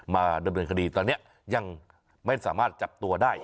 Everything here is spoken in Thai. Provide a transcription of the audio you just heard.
มาดำเนินคดีตอนนี้ยังไม่สามารถจับตัวได้